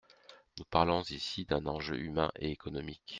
Nous parlons ici d’un enjeu humain et économique.